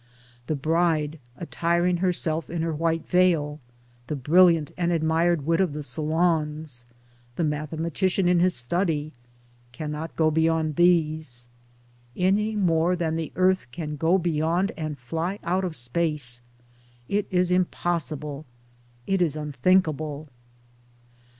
The bride attiring herself in her white veil, the brilliant and admired wit of the salons, the mathematician in bis study, cannot go beyond these, Towards Democracy 41 Any more than the earth can go beyond and fly out of space. It is impossible; it is unthinkable.